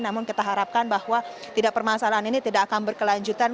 namun kita harapkan bahwa permasalahan ini tidak akan berkelanjutan